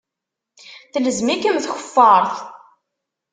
Telzem-ikem tkeffart.